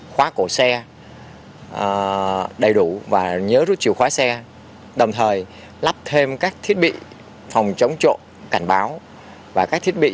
khóa cổ xe đầy đủ và nhớ rút chìa khóa xe đồng thời lắp thêm các thiết bị phòng chống trộm cảnh báo và các thiết bị